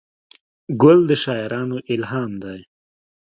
ګل د شاعرانو الهام دی.